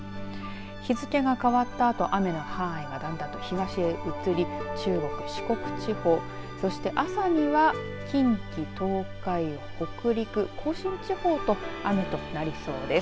日付が変わったあと雨の範囲がだんだん東へ移り中国四国地方そして、朝には近畿、東海北陸甲信地方と雨となりそうです。